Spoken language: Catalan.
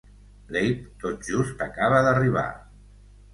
L'Abe tot just acaba d'arribar.